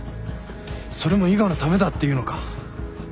それも伊賀のためだっていうのか？